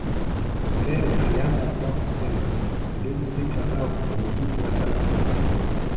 nyerere alianza kwa kusema zidumu fikra za mwenyekiti wa chama cha mapinduzi